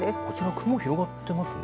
雲が広がっていますね。